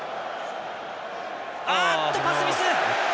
あっと、パスミス！